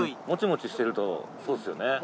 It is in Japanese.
モチモチしてるとそうっすよね。